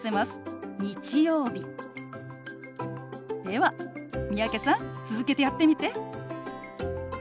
では三宅さん続けてやってみて。